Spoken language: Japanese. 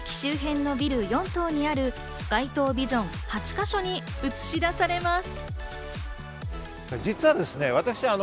駅周辺のビル４棟にある街頭ビジョン８か所に映し出されます。